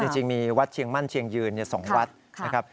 จริงมีวัดเชียงมั่นเชียงยืน๒วัดนะครับ